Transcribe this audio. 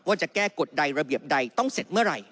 ว่าจะแก้กฎใดระเบียบใดต้องเสร็จเมื่อไหร่